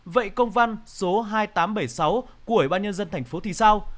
vậy công văn số hai nghìn tám trăm bảy mươi sáu của ủy ban nhân dân thành phố thì sao